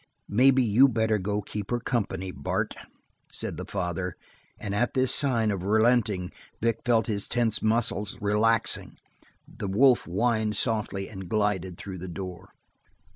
"Maybe you better go keep her company, Bart," said the father, and at this sign of relenting Vic felt his tensed muscles relaxing; the wolf whined softly and glided through the door.